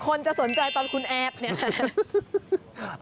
คนจะสนใจตอนคุณแอดเนี่ย